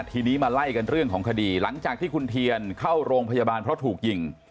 ทีนี้มาไล่กันเรื่องของคดีหลังจากที่คุณเทียนเข้าโรงพยาบาลเพราะถูกยิง